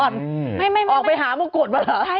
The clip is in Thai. นี่น่อนออกไปหามุกกลดมาเหรอ